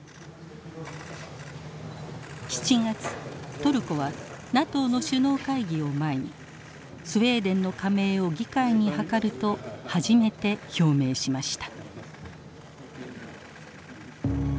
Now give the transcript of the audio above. トルコはＮＡＴＯの首脳会議を前にスウェーデンの加盟を議会にはかると初めて表明しました。